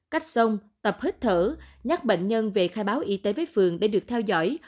cách xong tập hít thở nhắc bệnh nhân về khai báo y tế với phường để được theo dõi